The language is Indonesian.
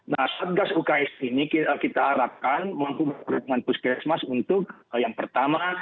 nah satgas uks ini kita harapkan mampu menghubungkan puskesmas untuk yang pertama